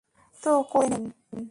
তো করে নেন।